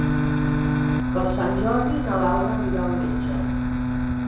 Per Sant Jordi na Laura anirà al metge.